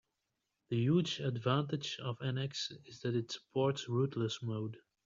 The huge advantage of NX is that it supports "rootless" mode.